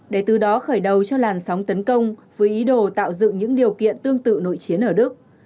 để từ đó khởi đầu cho làn sóng tấn công với ý đồ tạo dựng những điều kiện tương tự nội chiến ở đức